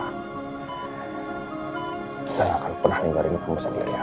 kita gak akan pernah meninggalin kamu sendirian